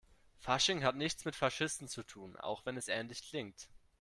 Fasching hat nichts mit Faschisten zu tun, auch wenn es ähnlich klingt.